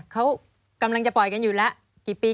เขากำลังจะปล่อยกันอยู่แล้วกี่ปี